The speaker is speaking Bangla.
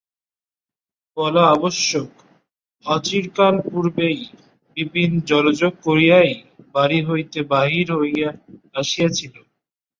বলা আবশ্যক, অচিরকাল পূর্বেই বিপিন জলযোগ করিয়াই বাড়ি হইতে বাহির হইয়া আসিয়াছিল।